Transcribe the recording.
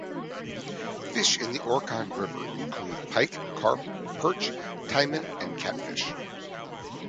Fish in the Orkhon river include pike, carp, perch, taimen and catfish.